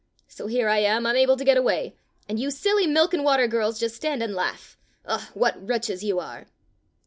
So here I am, unable to get away; and you silly milk and water girls just stand and laugh. Ugh! what wretches you are!